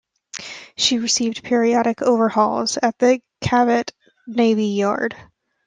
She received periodic overhauls at the Cavite Navy Yard.